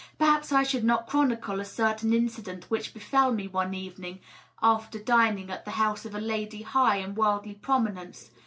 Perhaps I should not chronicle a certain incident which befell me one evening after dining at the house of a lady high in worldly promi nence.